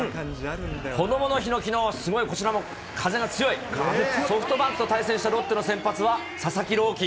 こどもの日のきのう、すごい、こちらも風が強い、ソフトバンクと対戦したロッテの先発は、佐々木朗希。